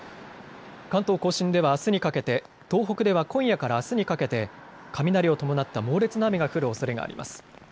関東甲信ではあすにかけて東北では今夜からあすにかけて雷を伴った猛烈な雨が降るおそれがあります。